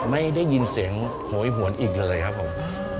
ไม่ได้ยินเสียงโหยหวนอีกเลยครับผม